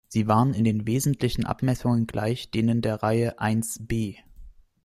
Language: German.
Sie waren in den wesentlichen Abmessungen gleich denen der Reihe Ib.